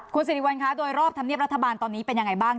คุณสิริวัลคะโดยรอบธรรมเนียบรัฐบาลตอนนี้เป็นยังไงบ้าง